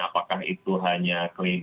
apakah itu hanya klinik